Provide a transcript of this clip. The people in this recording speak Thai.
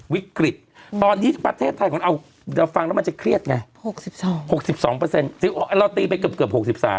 วิกฤตตอนนี้ประเทศไทยของเราเราฟังแล้วมันจะเครียดไง๖๒๖๒เราตีไปเกือบ๖๓